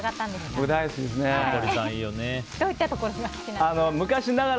どういったところが？